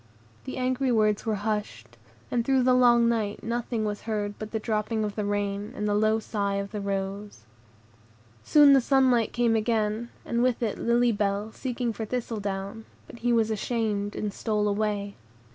The angry words were hushed, and through the long night nothing was heard but the dropping of the rain, and the low sighs of the rose. Soon the sunlight came again, and with it Lily Bell seeking for Thistledown; but he was ashamed, and stole away.